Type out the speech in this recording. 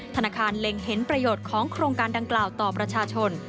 ธนาคารเล็งเห็นประโยชน์ของโครงการดังกล่าวต่อประชาชน